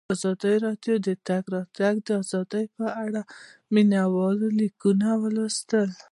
ازادي راډیو د د تګ راتګ ازادي په اړه د مینه والو لیکونه لوستي.